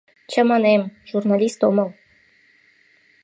Чаманем, журналист омыл.